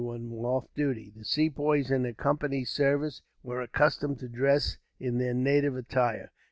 When off duty, the Sepoys in the Company's service were accustomed to dress in their native attire.